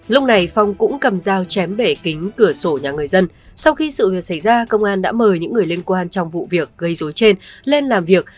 lúc này phong cũng cầm dao chém bể kính cửa sổ nhà người dân sau khi sự việc xảy ra công an đã mời những người liên quan trong vụ việc gây dối trên lên làm việc